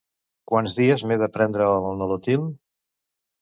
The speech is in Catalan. Quants dies m'he de prendre el Nolotil?